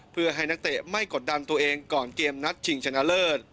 เพื่อให้นักเตะไม่กดดันตัวเองก่อนเกมนัดชิงชนะเลิศ